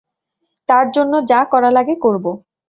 তার জন্য যা করা লাগে, করব।